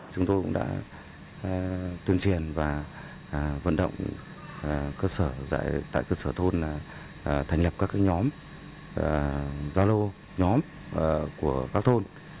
chúng tôi cũng đã tuyên truyền và vận động cơ sở tại cơ sở thôn thành lập các nhóm giao lô nhóm của các thôn